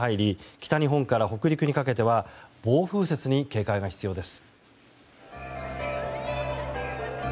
北日本から北陸にかけては暴風雪に警戒が必要です。